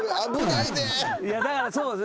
いやだからそうですね